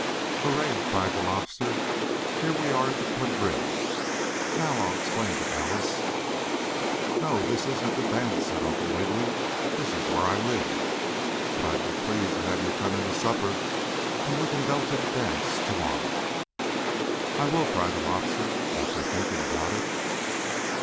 "Hurray!" cried the Lobster. "Here we are at the quadrille. Now I'll explain to Alice " "No, this isn't the dance," said Uncle Wiggily. "This is where I live. But I'd be pleased to have you come in to supper, and we can go to the dance tomorrow." "I will!" cried the Lobster, after thinking about it.